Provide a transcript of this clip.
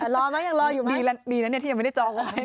รอมั้ยยังรออยู่มั้ยดีนะที่ยังไม่ได้จองไว้นะครับ